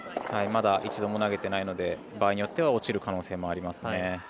まだ一度も投げてないので場合によっては落ちる可能性もありますね。